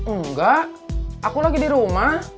enggak aku lagi di rumah